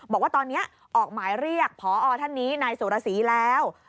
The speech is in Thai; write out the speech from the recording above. บอกว่าตอนนี้ออกหมายเรียกพอท่านนี้นายสุรสีแล้ว